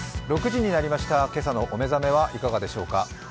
６時になりました、今朝のお目覚めはいかがでしょうか。